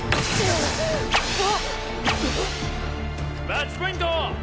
マッチポイント。